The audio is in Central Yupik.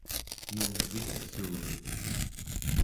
nuv'issuun